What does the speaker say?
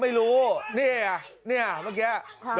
ไม่รู้นี้อะนี้เรื่องเมื่อกี้